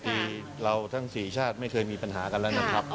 คือเราทั้ง๔ชาติไม่เคยมีปัญหากันแล้วนะครับ